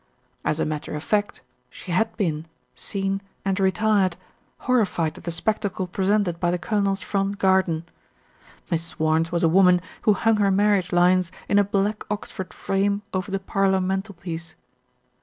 As a matter of fact, she had been, seen, and retired, horrified at the spectacle presented by the colonel's front garden. Mrs. Warnes was a woman who hung her marriage lines in a black Oxford frame over the parlour mantelpiece.